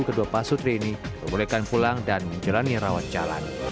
kedua pasutri ini diperbolehkan pulang dan menjalani rawat jalan